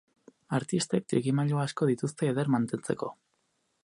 Artistek trikimailu asko dituzte eder mantentzeko.